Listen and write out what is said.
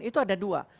itu ada dua